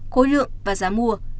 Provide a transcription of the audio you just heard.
khối lượng và giá mua